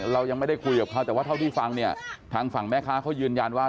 เรายังไม่ได้คุยกับเขาก็ว่าที่ฟังฝั่งแม่ค้าเขายืนยันว่า